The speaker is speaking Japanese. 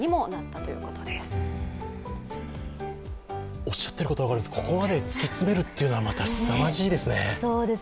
おっしゃっていることは分かりますがここまで突き詰めるということがまたすさまじいですね。